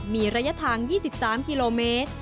มีระยะทาง๒๓กิโลเมตร